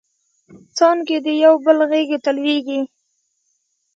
څانګې د یوبل غیږو ته لویږي